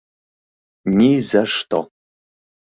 — Ни-за-што!